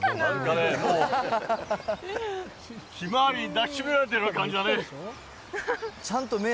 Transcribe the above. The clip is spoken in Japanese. ひまわりに抱きしめられてるような感じだね。